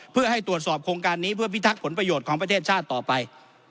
เพื่อให้ตรวจสอบโครงการนี้เพื่อพิทักษ์ผลประโยชน์ของประเทศชาติต่อไป